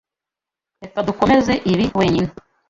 Reka dukomeze ibi wenyine.